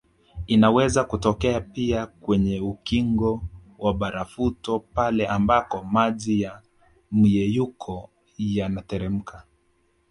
Inaweza kutokea pia kwenye ukingo wa barafuto pale ambako maji ya myeyuko yanateremka